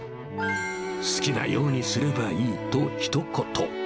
好きなようにすればいいとひと言。